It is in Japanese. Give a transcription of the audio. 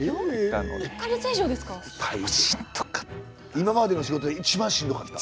今までの仕事で一番しんどかった？